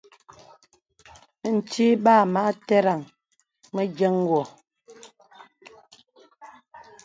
Ntí bà amà tərəŋ mə diəŋ gô.